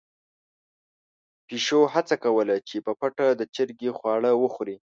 پيشو هڅه کوله چې په پټه د چرګې خواړه وخوري.